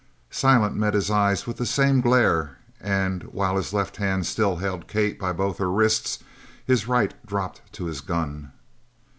Silent met his eye with the same glare and while his left hand still held Kate by both her wrists his right dropped to his gun.